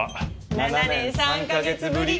７年３か月ぶり。